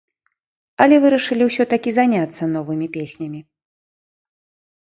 Але вырашылі ўсё-такі заняцца новымі песнямі.